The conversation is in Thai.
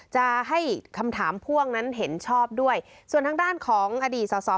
จะให้คำถามพ่วงนั้นเห็นชอบด้วยส่วนทางด้านของอดีตสอสอ